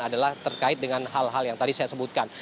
adalah terkait dengan hal hal yang tadi saya sebutkan